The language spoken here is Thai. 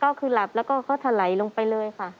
ก็คือหลับแล้วก็เขาถลายลงไปเลยค่ะ